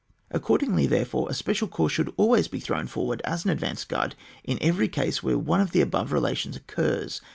Accordingly, therefore, a special corps should always be thrown forward as an advanced guard in eveiy case where one of the above relations occurs.